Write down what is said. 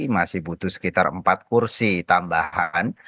masih butuh sekitar empat kursi tambahan